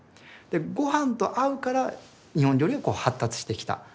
ごはんと合うから日本料理が発達してきたわけで。